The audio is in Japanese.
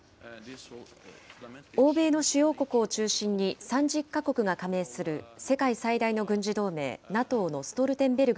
欧米の主要国を中心に３０か国が加盟する、世界最大の軍事同盟、ＮＡＴＯのストルテンベルグ